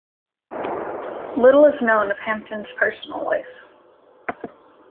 Little is known of Hampton's personal life.